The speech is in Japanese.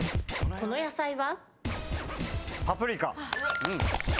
この野菜は？